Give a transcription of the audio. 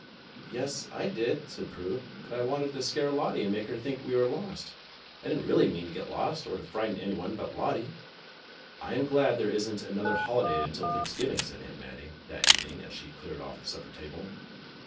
"Yes, I did," said Prue, "but I wanted to scare Lottie and make her think we were lost. I did n't really mean to get lost, or to frighten any one but Lottie." "I am glad there isn't another hohday until Thanksgiving," said Aunt Mattie that evening as she cleared off the supper table.